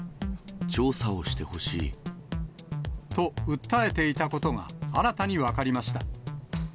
調査をしてほしい。と訴えていたことが、新たに分かりました。